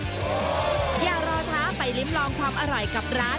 อย่ารอช้าไปลิ้มลองความอร่อยกับร้าน